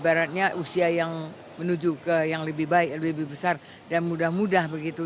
ibaratnya usia yang menuju ke yang lebih baik lebih besar dan mudah mudahan begitu